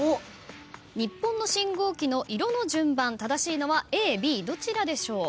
日本の信号機の色の順番正しいのはＡＢどちらでしょう？